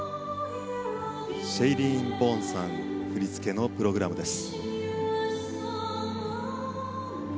シェイリーン・ボーンさん振り付けのプログラムです。